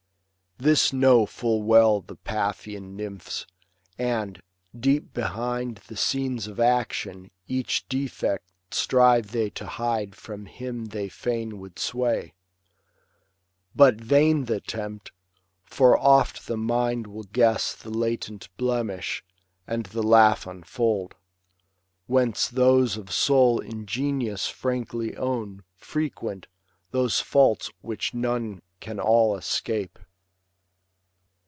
This know full well the Paphian nymphs, and, deep Behind the scenes of action, each defect Strive they to hide from him they fain would sway. But vain th' attempt ; for oft the mind will guess The latent blemish, and the laugh unfold. Whence those of soul ingenuous frankly own. Frequent, those faults which none can all escape.